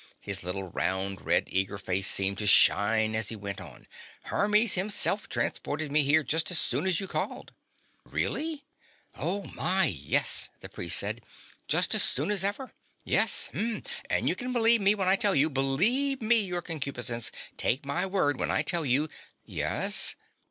His little round red eager face seemed to shine as he went on. "Hermes himself transported me here just as soon as you called!" "Really?" "Oh, my, yes," the priest said. "Just as soon as ever. Yes. Hm. And you can believe me when I tell you believe me, Your Concupiscence take my word when I tell you " "Yes?"